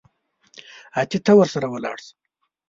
اتې ته ورسره ولاړ سه.